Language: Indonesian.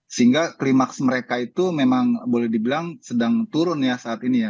sehingga klimaks mereka itu memang boleh dibilang sedang turun ya saat ini ya